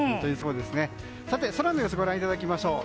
空の様子をご覧いただきましょう。